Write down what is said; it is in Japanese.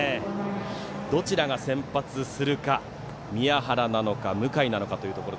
どちらが先発するか宮原なのか向井なのか。